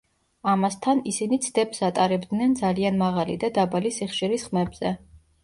ამასთან, ისინი ცდებს ატარებდნენ ძალიან მაღალი და დაბალი სიხშირის ხმებზე.